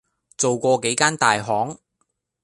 做過幾間大行